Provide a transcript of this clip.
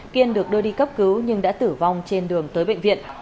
kiên được đưa đi cấp cứu nhưng đã tử vong trên đường tới bệnh viện